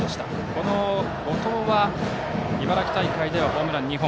この後藤は茨城大会ではホームラン２本。